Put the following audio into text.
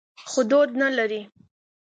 خو دود نه لري.